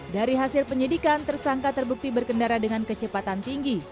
dari hasil penyidikan tersangka terbukti berkendara dengan kecepatan tinggi